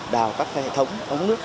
đào các hệ thống